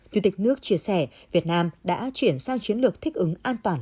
chủ tịch nước chia sẻ việt nam đã chuyển sang chiến lược thích ứng an toàn